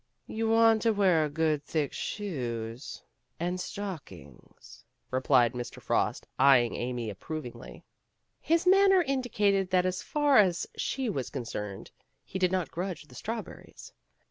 "You want to wear good thick shoes and 50 PEGGY RAYMOND'S WAY stockings," replied Mr. Frost, eyeing Amy ap provingly. His manner indicated that as far as she was concerned, he did not grudge the strawberries.